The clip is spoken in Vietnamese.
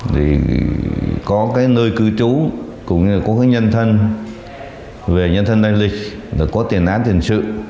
thì có cái nơi cư trú cũng như là có cái nhân thân về nhân thân đại lịch là có tiền án tiền sự